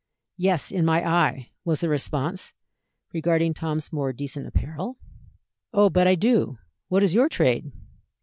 "Yes, in my eye!" was the response, regarding Tom's more decent apparel. "Oh, but I do. What is your trade?"